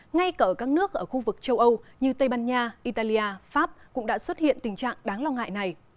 ngay cả ở các nước ở khu vực châu âu như tây ban nha italia pháp cũng đã xuất hiện tình trạng đáng lo ngại này